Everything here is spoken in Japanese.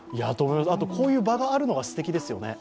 あとこういう場があるのがすてきですよね。